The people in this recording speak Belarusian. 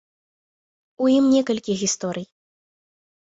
У ім некалькі гісторый.